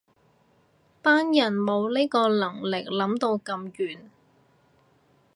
班人冇呢個能力諗到咁遠